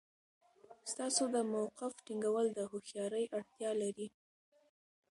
ستاسو د موقف ټینګول د هوښیارۍ اړتیا لري.